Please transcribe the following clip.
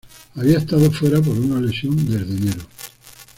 Había estado fuera por una lesión desde enero.